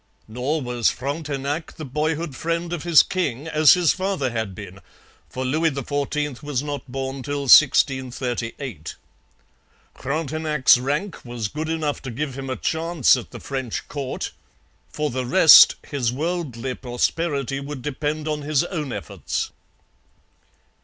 Nor was Frontenac the boyhood friend of his king as his father had been, for Louis XIV was not born till 1638. Frontenac's rank was good enough to give him a chance at the French court. For the rest, his worldly prosperity would depend on his own efforts.